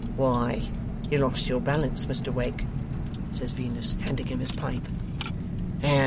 'Why, you lost your balance, Mr Wegg,' says Venus, handing him his pipe.